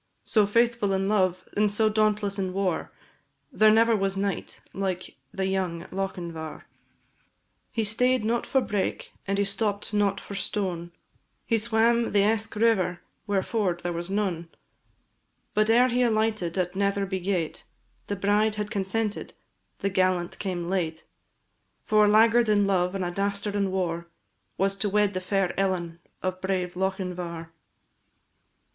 So faithful in love, and so dauntless in war, There never was knight like the young Lochinvar. He stay'd not for brake, and he stopp'd not for stone, He swam the Eske river where ford there was none; But ere he alighted at Netherby gate, The bride had consented, the gallant came late: For a laggard in love, and a dastard in war, Was to wed the fair Ellen of brave Lochinvar.